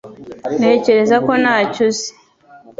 Ntekereza ko ntacyo uzi